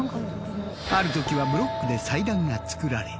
あるときはブロックで祭壇が作られ。